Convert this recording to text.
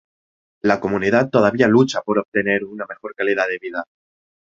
La comunidad todavía lucha por obtener una mejor calidad de vida.